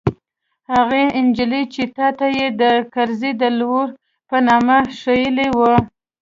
هغه نجلۍ چې تا ته يې د کرزي د لور په نامه ښييلې وه.